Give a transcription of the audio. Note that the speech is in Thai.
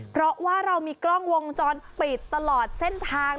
เพราะว่าเรามีกล้องวงจรปิดตลอดเส้นทาง